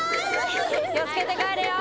気をつけて帰れよ！